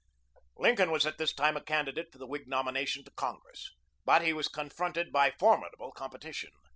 Lincoln was at this time a candidate for the Whig nomination to Congress; but he was confronted by formidable competition.